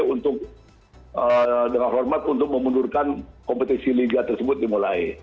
untuk dengan hormat untuk memundurkan kompetisi liga tersebut dimulai